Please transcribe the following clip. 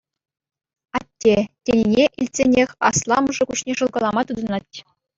«Атте» тенине илтсенех асламӑшӗ куҫне шӑлкалама тытӑнать.